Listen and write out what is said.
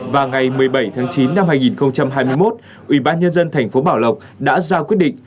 và ngày một mươi bảy tháng chín năm hai nghìn hai mươi một ubnd tp bảo lộc đã ra quyết định